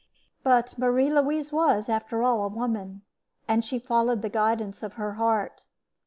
But Marie Louise was, after all, a woman, and she followed the guidance of her heart.